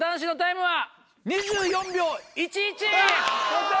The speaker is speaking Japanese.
やった！